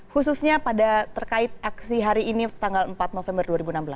khususnya pada terkait aksi hari ini tanggal empat november dua ribu enam belas